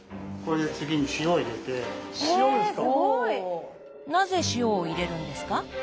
なぜ塩を入れるんですか？